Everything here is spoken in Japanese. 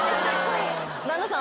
旦那さん